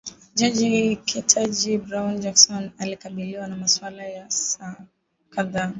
jaji Ketanji Brown Jackson alikabiliwa na maswali kwa saa kadhaa